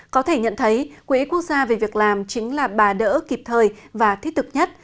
có thể nhận thấy quỹ quốc gia về việc làm chính là bà đỡ kịp thời và thiết thực nhất